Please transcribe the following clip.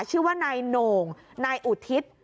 ชื่อว่านายโหน่งนายอุทิศ